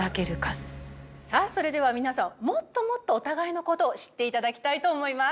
さあそれでは皆さんもっともっとお互いの事を知っていただきたいと思います。